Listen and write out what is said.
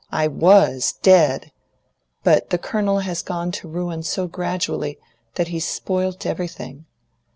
I WAS dead! But the Colonel has gone to ruin so gradually, that he's spoilt everything.